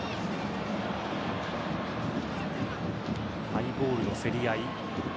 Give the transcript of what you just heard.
ハイボールの競り合い。